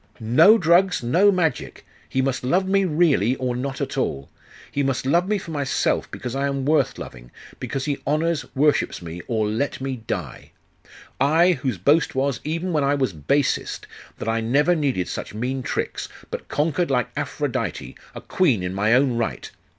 No drugs; no magic! He must love me really, or not at all! He must love me for myself, because I am worth loving, because he honours, worships me, or let me die. I, whose boast was, even when I was basest, that I never needed such mean tricks, but conquered like Aphrodite, a queen in my own right!